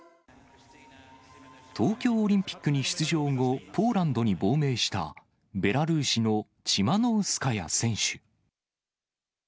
東京オリンピックに出場後、ポーランドに亡命した、ベラルーシのチマノウスカヤ選手。